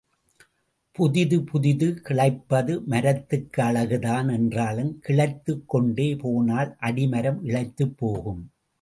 புதிது புதிது கிளைப்பது மரத்துக்கு அழகுதான் என்றாலும் கிளைத்துக் கொண்டே போனால் அடிமரம் இளைத்துப் போகும்.